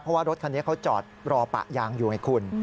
เพราะว่ารถคันนี้เขาจอดรอปะยางอยู่ไงคุณ